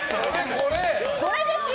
これですよ！